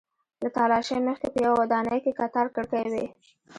له تالاشۍ مخکې په یوې ودانۍ کې کتار کړکۍ وې.